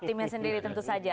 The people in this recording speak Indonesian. timnya sendiri tentu saja